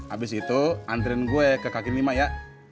abis itu antriin gua ke kakek lima ya